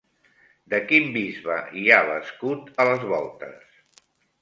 De quin bisbe hi ha l'escut a les voltes?